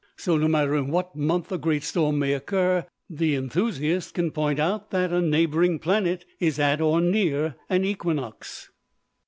So no matter in what month a great storm may occur, the enthusiast can point out that a neighboring planet is at or near an equinox.